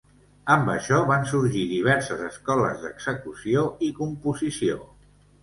Amb això van sorgir diverses escoles d'execució i composició.